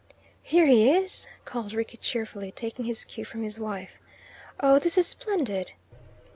"Here he is!" called Rickie cheerfully, taking his cue from his wife. "Oh, this is splendid!"